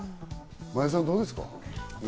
前田さん、どうですか？